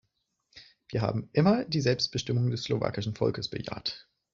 Wir haben immer die Selbstbestimmung des slowakischen Volkes bejaht.